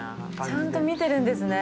ちゃんと見てるんですね。